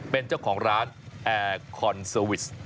เป็นเจ้าของร้านแอร์คอนเซอร์วิส